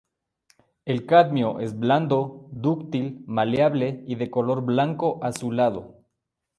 El cadmio es blando, dúctil, maleable y de color blanco azulado.